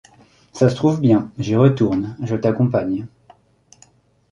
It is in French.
Ça se trouve bien, j’y retourne, je t’accompagne.